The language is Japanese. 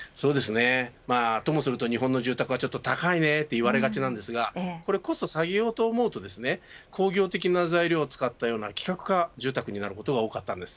ともすると日本の住宅は高いねと言われがちですがコストを下げようと思うと工業的な材料を使ったような規格化住宅になることが多かったです。